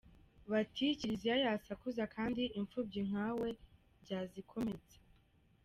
Bati Kiliziya yasakuza kandi imfubyi nkawe byazikomeretsa.